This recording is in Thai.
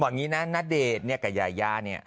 บอกอย่างนี้น่ะนาเดทเนี่ยกับยาย่าเนี่ย